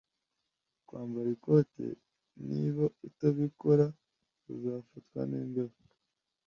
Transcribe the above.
Kwambara ikote. Niba utabikora, uzafatwa n'imbeho.